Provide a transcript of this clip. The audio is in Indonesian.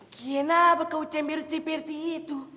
gimana apa kau cembir seperti itu